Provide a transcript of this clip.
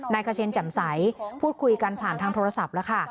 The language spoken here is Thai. ขเชนแจ่มใสพูดคุยกันผ่านทางโทรศัพท์แล้วค่ะ